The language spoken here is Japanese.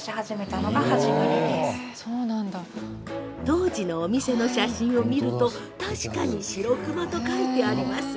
当時のお店の写真を見ると確かに、白熊と書いてあります。